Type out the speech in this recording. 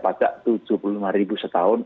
pajak tujuh puluh lima ribu setahun